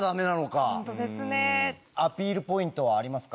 アピールポイントはありますか？